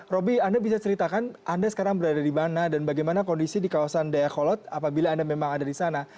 roby anda bisa ceritakan anda sekarang berada di mana dan bagaimana kondisi di kawasan dayakolot apabila anda memang ada di sana